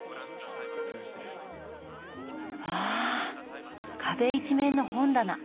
わあ壁一面の本棚。